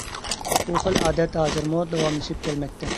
بۇ خىل ئادەت ھازىرمۇ داۋاملىشىپ كەلمەكتە.